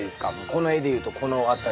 この絵でいうとこの辺り。